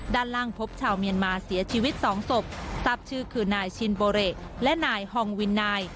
ด้านล่างพบชาวเมียนมาเสียชีวิตสองศพทราบชื่อคือนายชินโบเรและนายฮองวินนาย